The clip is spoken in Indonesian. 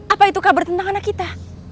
apa itu kabar tentang anak kita